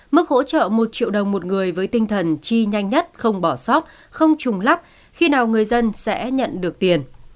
mức hỗ trợ một triệu đồng một người với tinh thần chi nhanh nhất không bỏ sót không trùng lắp khi nào người dân sẽ nhận được tiền